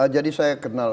jadi saya kenal